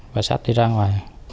và xách đi ra ngoài